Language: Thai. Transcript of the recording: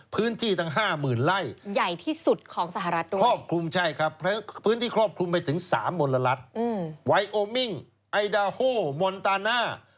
พื้นที่ทั้ง๕หมื่นไล่พื้นที่ครอบคลุมไปถึง๓บรรลัตไวโอมิงไอดาโฮมอนตาหน้า